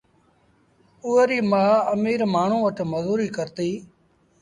اُئي ريٚ مآ اميٚر مآڻهآݩ وٽ مزوريٚ ڪرتي